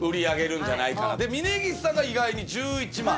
峯岸さんが意外に１１万。